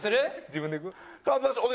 自分で。